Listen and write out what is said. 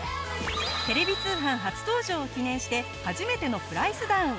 テレビ通販初登場を記念して初めてのプライスダウン！